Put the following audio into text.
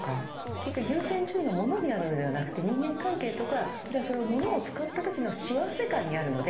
結局優先順位がモノにあるのではなくて人間関係とかあるいはそのモノを使った時の幸せ感にあるので。